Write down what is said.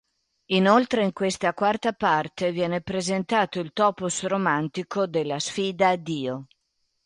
Inoltre, in questa quarta parte, viene presentato il topos romantico della sfida a Dio.